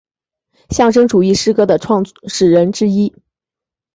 象征主义诗歌的创始人之一。